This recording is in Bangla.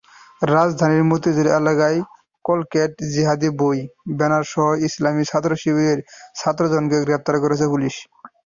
রাজধানীর মতিঝিল এলাকায় ককটেল, জিহাদি বই, ব্যানারসহ ইসলামী ছাত্রশিবিরের ছয়জনকে গ্রেপ্তার করেছে পুলিশ।